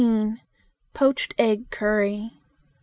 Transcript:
Poached Egg Curry.